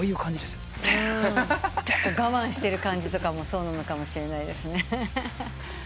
我慢してる感じとかもそうなのかもしれないですね。